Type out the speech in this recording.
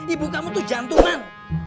ibu kamu tuh jantungan